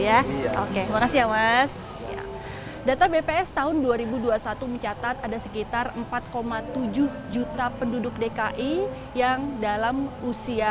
ya oke makasih ya mas data bps tahun dua ribu dua puluh satu mencatat ada sekitar empat tujuh juta penduduk dki yang dalam usia